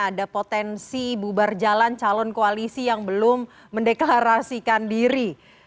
ada potensi bubar jalan calon koalisi yang belum mendeklarasikan diri